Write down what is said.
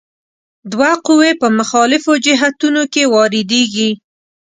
دوه قوې په مخالفو جهتونو کې واردیږي.